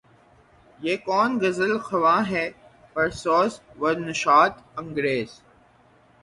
یہ کون غزل خواں ہے پرسوز و نشاط انگیز